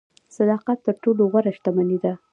صداقت تر ټولو غوره شتمني ده.